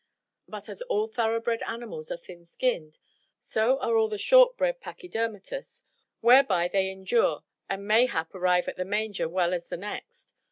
But as all thoroughbred animals are thin skinned, so are all the short bred pachydermatous, whereby they endure and mayhap arrive at the manger well as the next.